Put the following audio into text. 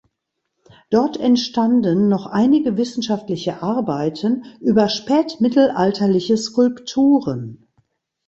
Dort entstanden noch einige wissenschaftliche Arbeiten über spätmittelalterliche Skulpturen.